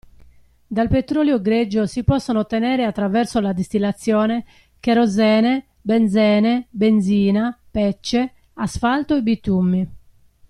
Dal petrolio greggio si possono ottenere attraverso la distillazione cherosene, benzene, benzina, pece, asfalto e bitumi.